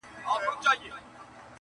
توري بڼي دي په سره لمر کي ځليږي،